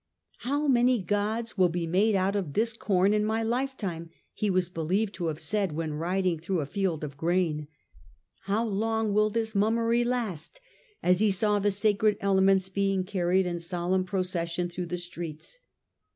" How many Gods will be made out of this corn in my lifetime !" he was believed to have said when riding through a field of grain :" How long will this mummery last !" as he saw the sacred elements being carried in solemn procession through the streets.